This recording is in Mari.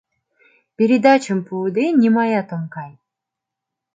— Передачым пуыде, нимаят ом кай!